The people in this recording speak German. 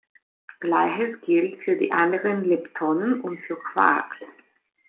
Gleiches gilt für die anderen Leptonen und für Quarks.